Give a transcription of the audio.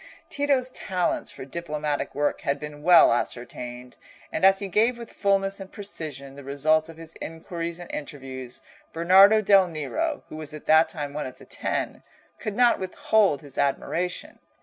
Tito's talents for diplomatic work had been well ascertained, and as he gave with fulness and precision the results of his inquiries and interviews, Bernardo del Nero, who was at that time one of the Ten, could not withhold his admiration.